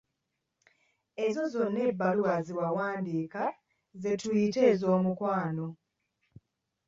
Ezo zonna ebbaluwa ze wawandiika ze tuyita ez'omukwano.